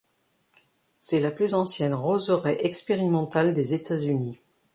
C'est la plus ancienne roseraie expérimentale des États-Unis.